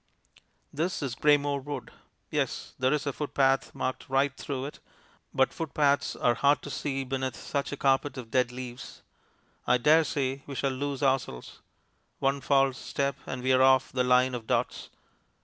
This is Greymoor Wood. Yes; there is a footpath marked right through it, but footpaths are hard to see beneath such a carpet of dead leaves. I dare say we shall lose ourselves. One false step and we are off the line of dots.